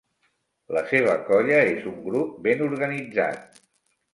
La seva colla és un grup ben organitzat.